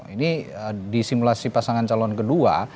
ini di simulasi pasangan calon kedua